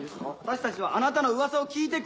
私たちはあなたの噂を聞いて。